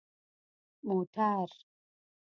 🚘 موټر